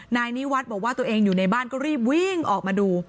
นายนิวัฒน์บอกว่าตัวเองอยู่ในบ้านก็รีบวิ่งออกมาดู